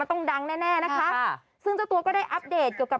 ต้องดังแน่แน่นะคะซึ่งเจ้าตัวก็ได้อัปเดตเกี่ยวกับ